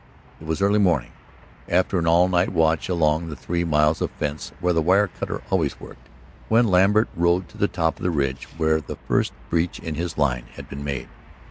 It was early morning, after an all night watch along the three miles of fence where the wire cutter always worked, when Lambert rode to the top of the ridge where the first breach in his line had been made.